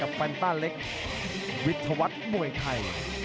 กับแฟนต้าเล็กวิธวัฒน์มวยไข่